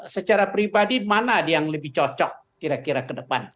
secara pribadi mana yang lebih cocok kira kira ke depan